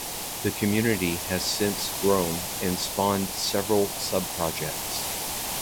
The community has since grown and spawned several sub-projects.